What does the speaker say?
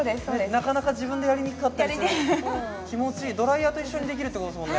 なかなか自分でやりにくかったりする気持ちいいドライヤーと一緒にできるってことですもんね